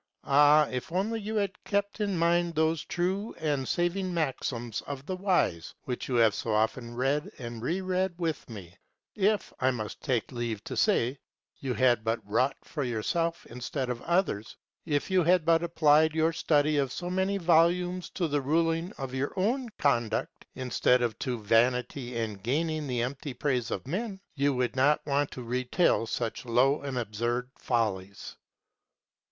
Ah, if only you had kept in mind those true and saving maxims of the wise which you have so often read and re read with me; if, I must take leave to say, you had but wrought for yourself instead of others; if you had but applied your study of so many volumes to the ruling of your own conduct, instead of to vanity and gaining the empty praise of men, you would not want to retail such low and absurd follies.